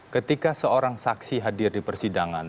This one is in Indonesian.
ketika seorang saksi hadir di persidangan